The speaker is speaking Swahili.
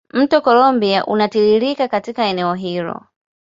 Mto Columbia unatiririka katika eneo hilo.